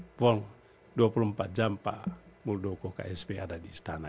betul dua puluh empat jam pak muldoko ksp ada di istana